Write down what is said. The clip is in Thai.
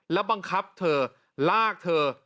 แล้วบังคับเธอลากเธอ